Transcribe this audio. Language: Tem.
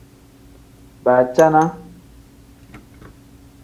Baacana.